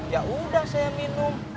yaudah saya minum